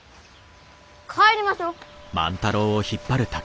帰りましょう！